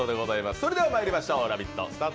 それではまいりましょう、「ラヴィット！」